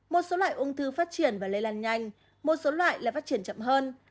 một số loại ung thư phát triển và lây lan nhanh một số loại là phát triển chậm hơn